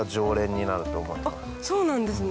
そうなんですね